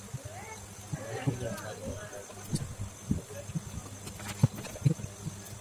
kuna ushindani mkali katika kinyaganyiro kuania kiti cha urais